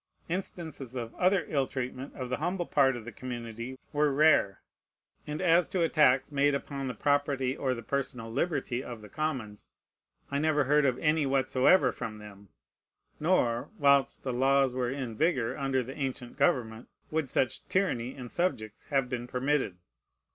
Instances of other ill treatment of the humble part of the community were rare; and as to attacks made upon the property or the personal liberty of the commons, I never heard of any whatsoever from them, nor, whilst the laws were in vigor under the ancient government, would such tyranny in subjects have been permitted.